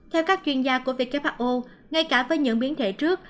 theo các chuyên gia của who ngay cả với những biến thể trước